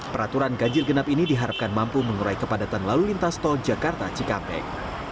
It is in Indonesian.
peraturan ganjil genap ini diharapkan mampu mengurai kepadatan lalu lintas tol jakarta cikampek